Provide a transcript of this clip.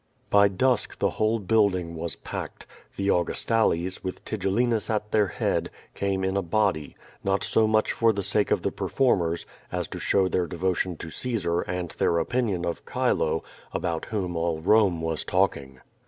By dusk the whole building was packed. The Augustales, V. ith Tigellinus at their head, came in a body, not so much for the sake of the performers as to show their devotion to Caesar and their opinion of Chilo, about whom all Rome was talking.